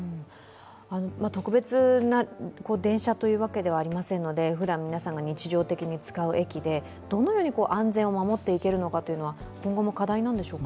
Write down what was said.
特別な電車というわけではありませんのでふだん皆さんが日常的に使う駅でどのように安全を守っていけるかいうのは、今後の過大なんでしょうか？